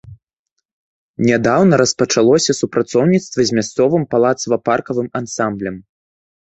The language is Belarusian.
Нядаўна распачалося супрацоўніцтва з мясцовым палацава-паркавым ансамблем.